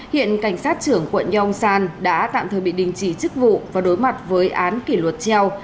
hiện cảnh sát trưởng quận yong san đã tạm thời bị đình chỉ chức vụ và đối mặt với án kỷ luật treo